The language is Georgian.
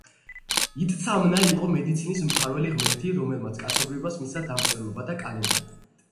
იტცამნა იყო მედიცინის მფარველი ღმერთი, რომელმაც კაცობრიობას მისცა დამწერლობა და კალენდარი.